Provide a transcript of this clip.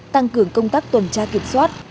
tăng cường công tác tuần tra kiểm soát